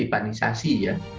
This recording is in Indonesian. jadi panisasi ya